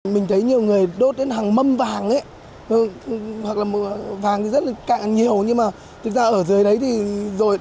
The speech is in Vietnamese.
mình thấy nhiều người đốt đến hàng mâm vàng ấy hoặc là vàng thì rất là cạn nhiều nhưng mà thực ra ở dưới đấy thì rồi